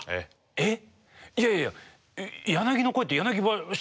えっ？